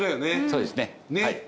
そうですね。